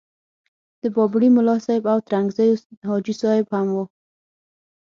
د بابړي ملاصاحب او ترنګزیو حاجي صاحب هم وو.